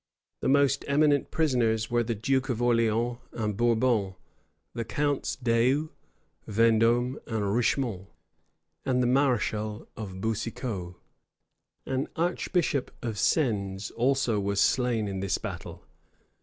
The most eminent prisoners were the dukes of Orleans and Bourbon, the Counts d'Eu, Vendôme, and Richemont, and the mareschal of Boucicaut. An archbishop of Sens also was slain in this battle.